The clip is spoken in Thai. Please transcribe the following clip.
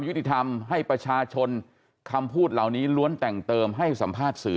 ยุติธรรมให้ประชาชนคำพูดเหล่านี้ล้วนแต่งเติมให้สัมภาษณ์สื่อ